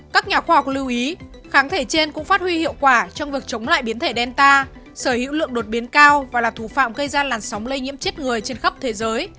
các nhà khoa học lưu ý kháng thể trên cũng phát huy hiệu quả trong việc chống lại biến thể delta sở hữu lượng đột biến cao và là thủ phạm gây ra làn sóng lây nhiễm chết người trên khắp thế giới